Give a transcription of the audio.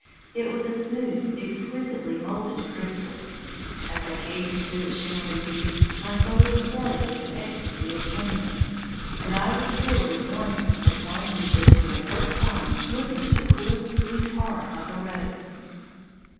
It was a smooth, exquisitely moulded crystal. As I gazed into its shimmering deeps, my soul was flooded with an ecstasy of tenderness, and I was filled with wonder as one who should for the first time look into the cool, sweet heart of a rose.